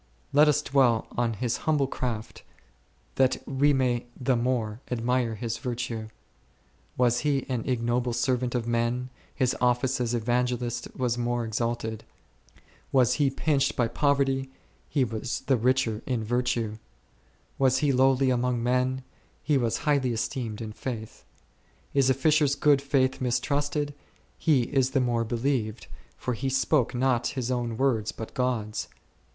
Let us dwell on his humble craft, that we may the more admire his virtue ; was he an ignoble servant of men, his office as Evangelist was more exalted ; was he pinched by poverty, he was the richer in virtue ; was he lowly among men, he was highly esteemed in faith. Is a fisher's good faith mistrusted, he is the more believed, for he spoke not his own words but God's.